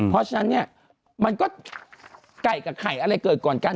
เพราะฉะนั้นเนี่ยมันก็ไก่กับไข่อะไรเกิดก่อนกัน